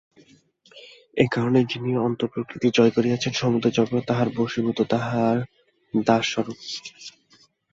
এই কারণে যিনি অন্তঃপ্রকৃতি জয় করিয়াছেন, সমুদয় জগৎ তাঁহার বশীভূত, তাঁহার দাসস্বরূপ।